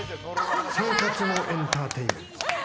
生活のエンターテインメント。